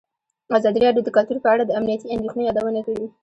ازادي راډیو د کلتور په اړه د امنیتي اندېښنو یادونه کړې.